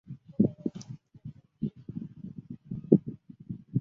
达讷和四风人口变化图示